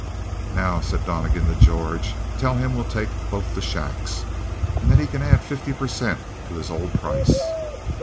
"Now," said Donnegan to George, "tell him that we'll take both the shacks, and he can add fifty per cent to his old price."